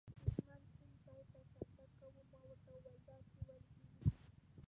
بریدمنه، کوم ځای ته شاتګ کوو؟ ما ورته وویل: داسې وېل کېږي.